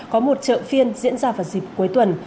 có một chợ phiên diễn ra vào dịp cuối tuần